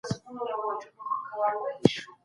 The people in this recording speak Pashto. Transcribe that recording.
چېري د خوړو نړیوال سازمان مرستي ویشي؟